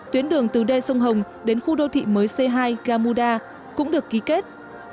tuyến đường từ đê sông hồng đến khu đô thị mới c hai gamuda cũng được ký kết